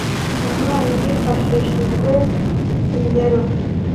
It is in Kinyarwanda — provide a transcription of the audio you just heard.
Na none hifashishijwe ingero